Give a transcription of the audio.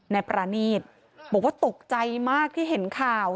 นายประนีตบอกว่าตกใจมากที่เห็นข่าว